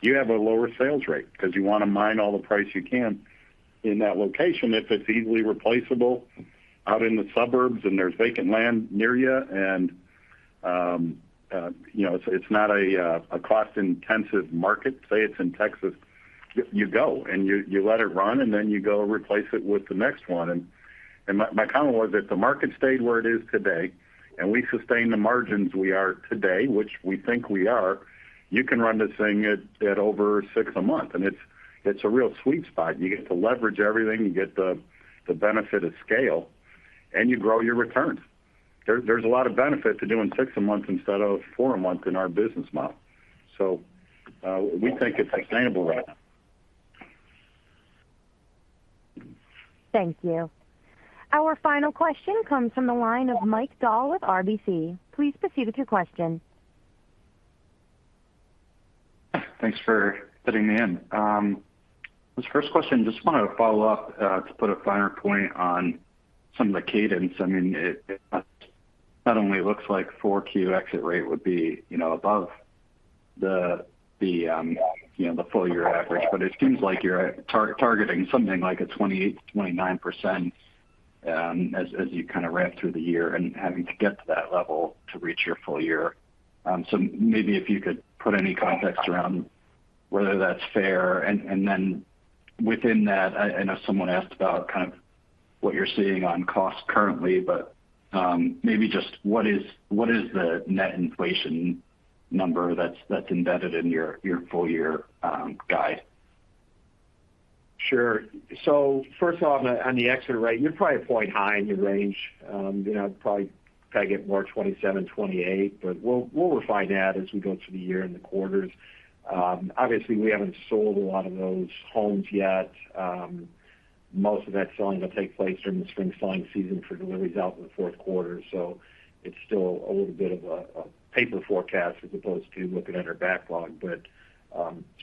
you have a lower sales rate because you wanna mine all the price you can in that location. If it's easily replaceable out in the suburbs and there's vacant land near you and you know, it's not a cost-intensive market, say it's in Texas, you go, and you let it run, and then you go replace it with the next one. My comment was if the market stayed where it is today and we sustain the margins we are today, which we think we are, you can run this thing at over six a month, and it's a real sweet spot. You get to leverage everything, you get the benefit of scale, and you grow your returns. There's a lot of benefit to doing 6 a month instead of four a month in our business model. We think it's sustainable right now. Thank you. Our final question comes from the line of Mike Dahl with RBC. Please proceed with your question. Thanks for fitting me in. This first question, just wanted to follow up, to put a finer point on some of the cadence. I mean, it not only looks like Q4 exit rate would be, above the full-year average, but it seems like you're targeting something like a 28%-29%, as you kind of ramp through the year and having to get to that level to reach your full-year. So maybe if you could put any context around whether that's fair. Then within that, I know someone asked about kind of what you're seeing on cost currently, but maybe just what is the net inflation number that's embedded in your full-year guide? Sure. First of all, on the exit rate, you're probably quite high in your range. You know, probably get more 27% to 28%, but we'll refine that as we go through the year and the quarters. Obviously, we haven't sold a lot of those homes yet. Most of that selling will take place during the spring selling season for deliveries out in the Q4. It's still a little bit of a paper forecast as opposed to looking at our backlog. It's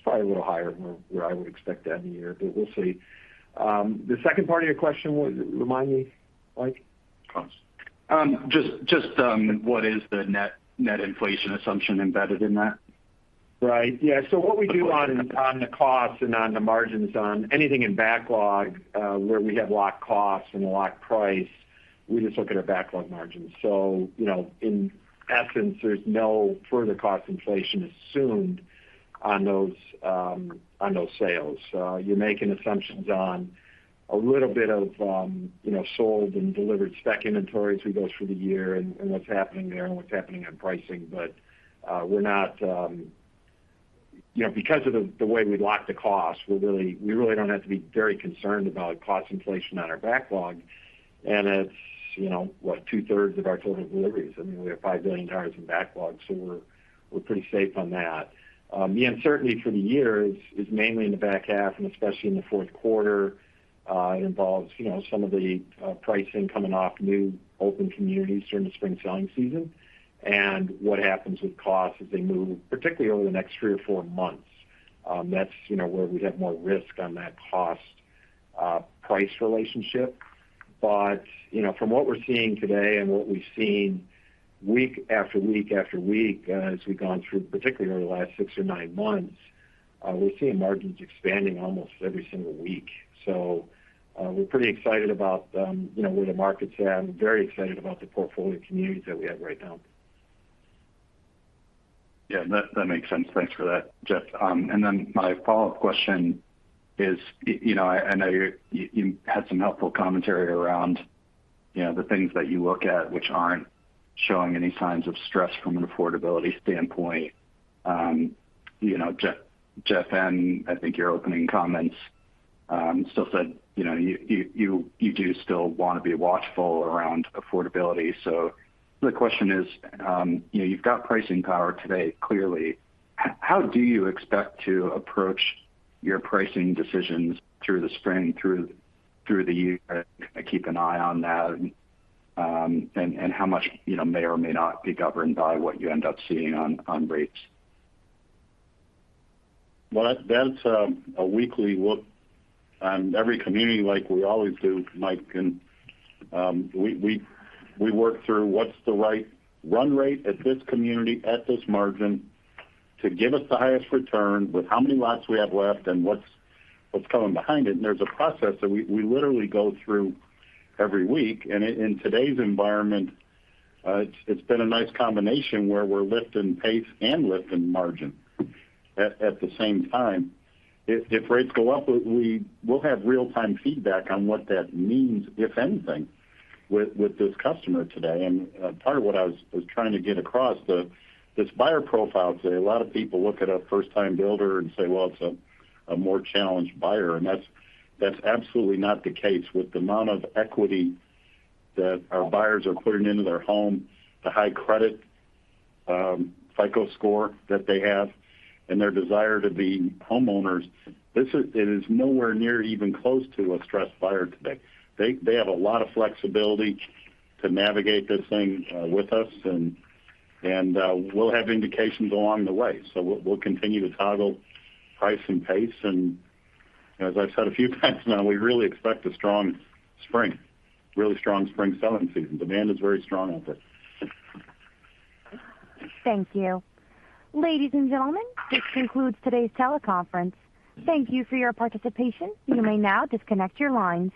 probably a little higher than where I would expect that in the year, but we'll see. The second part of your question, what, remind me, Mike. Just what is the net inflation assumption embedded in that? Right. Yeah. What we do on the costs and on the margins on anything in backlog, where we have locked costs and locked price, we just look at our backlog margins. You know, in essence, there's no further cost inflation assumed on those sales. You're making assumptions on a little bit of, you know, sold and delivered spec inventory as we go through the year and what's happening there and what's happening on pricing. We're not. Because of the way we lock the cost, we really don't have to be very concerned about cost inflation on our backlog. It's, what, two-thirds of our total deliveries. I mean, we have $5 billion in backlog, so we're pretty safe on that. The uncertainty for the year is mainly in the back half and especially in the fourth quarter. It involves, you know, some of the pricing coming off new open communities during the spring selling season and what happens with costs as they move, particularly over the next three or four months. That's, you know, where we have more risk on that cost price relationship. From what we're seeing today and what we've seen week after week after week as we've gone through, particularly over the last six or nine months, we're seeing margins expanding almost every single week. We're pretty excited about, you know, where the market's at and very excited about the portfolio of communities that we have right now. Yeah, that makes sense. Thanks for that, Jeff. My follow-up question is, I know you had some helpful commentary around, the things that you look at which aren't showing any signs of stress from an affordability standpoint. Jeff Mezger, I think your opening comments still said, you know, you do still want to be watchful around affordability. The question is, you've got pricing power today, clearly. How do you expect to approach your pricing decisions through the spring, through the year, kind of keep an eye on that, and how much, may or may not be governed by what you end up seeing on rates? Well, that's a weekly look on every community like we always do, Mike. We work through what's the right run rate at this community at this margin to give us the highest return with how many lots we have left and what's coming behind it. There's a process that we literally go through every week. In today's environment, it's been a nice combination where we're lifting pace and lifting margin at the same time. If rates go up, we'll have real-time feedback on what that means, if anything, with this customer today. Part of what I was trying to get across. This buyer profile today, a lot of people look at a first-time homebuilder and say, well, it's a more challenged buyer. That's absolutely not the case. With the amount of equity that our buyers are putting into their home, the high credit FICO score that they have, and their desire to be homeowners, this is nowhere near even close to a stressed buyer today. They have a lot of flexibility to navigate this thing with us and we'll have indications along the way. We'll continue to toggle price and pace. As I've said a few times now, we really expect a strong spring, really strong spring selling season. Demand is very strong out there. Thank you. Ladies and gentlemen, this concludes today's teleconference. Thank you for your participation. You may now disconnect your lines.